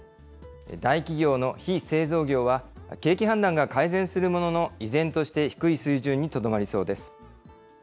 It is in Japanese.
大企業の非製造業は、景気判断が改善するものの、依然として低い水準にとどまりそうです。